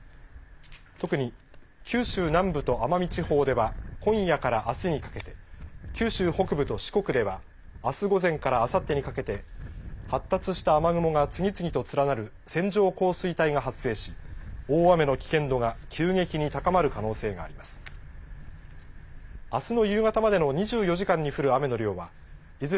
特に九州南部と奄美地方では今夜からあすにかけて、九州北部と四国ではあす午前からあさってにかけて発達した雨雲が次々と連なる線状降水帯が発生し大雨の危険度が急激に高まる可能性があります。